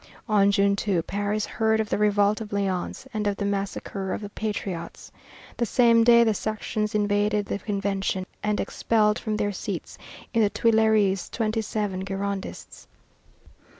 On June 2, Paris heard of the revolt of Lyons and of the massacre of the patriots. The same day the Sections invaded the Convention and expelled from their seats in the Tuileries twenty seven Girondists.